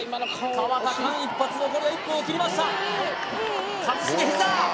河田間一髪残りは１分を切りました一茂膝！